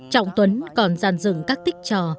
trọng tuấn còn dàn dựng các tích trò